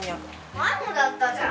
前もだったじゃん！